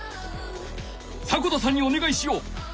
迫田さんにおねがいしよう。